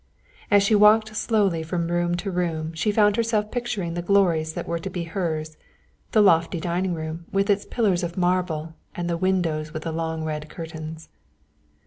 As she walked slowly from room to room she found herself picturing the glories that were to be hers, the lofty dining room with its pillars of marble and the windows with the long red curtains.